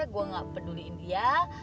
gue gak peduliin dia